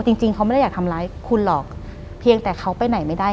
หลังจากนั้นเราไม่ได้คุยกันนะคะเดินเข้าบ้านอืม